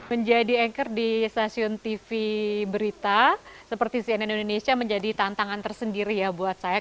menjadi anchor di stasiun tv berita seperti cnn indonesia menjadi tantangan tersendiri ya buat saya